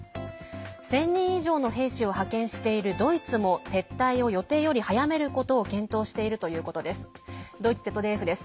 １０００人以上の兵士を派遣しているドイツも撤退を予定より早めることを検討しているということです。